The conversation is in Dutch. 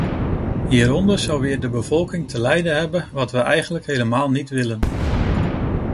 Hieronder zou weer de bevolking te lijden hebben, wat we eigenlijk helemaal niet willen.